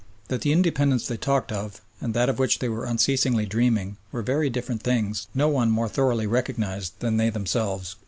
That the independence they talked of, and that of which they were as unceasingly dreaming, were very different things no one more thoroughly recognised than they themselves.